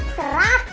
ada rumah keo